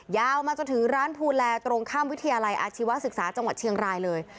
ยาวมาจนถึงร้านภูแลตรงข้ามวิทยาลัยอาชีวศึกษาจังหวัดเชียงรายเลย